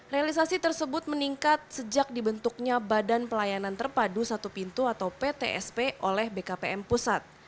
realisasi tersebut meningkat sejak dibentuknya badan pelayanan terpadu satu pintu atau ptsp oleh bkpm pusat